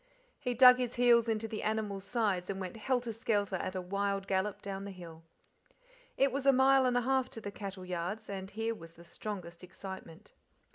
He dug his heels into the animal's sides and went helter skelter at a wild gallop down the hill. It was a mile and a half to the cattle yards, and here was the strongest excitement.